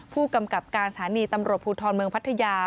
ผู้กำกับการสถานีตำรวจภูทรเมืองพัทยา